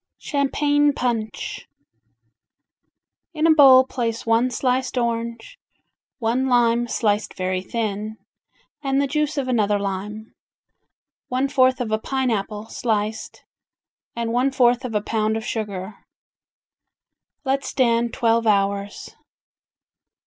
Champagne Punch In a bowl place one sliced orange, one lime sliced very thin, and the juice of another lime, one fourth of a pineapple sliced, and one fourth of a pound of sugar. Let stand twelve hours.